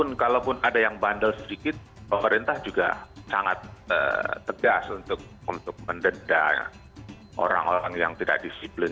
dan kalaupun ada yang bandel sedikit pemerintah juga sangat tegas untuk mendedah orang orang yang tidak disiplin